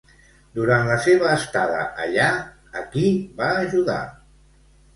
Durant la seva estada allà, a qui va ajudar?